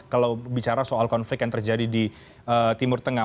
kalau bicara soal konflik yang terjadi di timur tengah